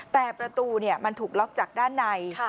แต่ประตูมันถูกล็อกจากด้านใน